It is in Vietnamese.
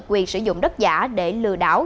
quyền sử dụng đất giả để lừa đảo